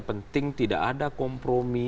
penting tidak ada kompromi